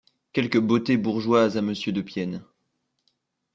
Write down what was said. Quelque beauté bourgeoiseÀ Monsieur de Pienne.